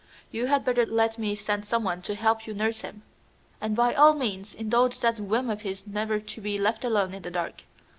You had better let me send someone to help you nurse him. And by all means indulge that whim of his never to be left alone in the dark.